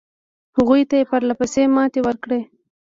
هغوی ته یې پرله پسې ماتې ورکړې.